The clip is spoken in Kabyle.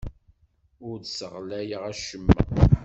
Ur d-sseɣlayeɣ acemma.